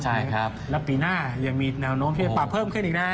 และปีหน้ายังมีแนวโน้มที่ปรับเพิ่มขึ้นอีกนะ